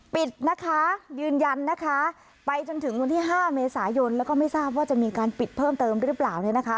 ปิดนะคะยืนยันนะคะไปจนถึงวันที่๕เมษายนแล้วก็ไม่ทราบว่าจะมีการปิดเพิ่มเติมหรือเปล่าเนี่ยนะคะ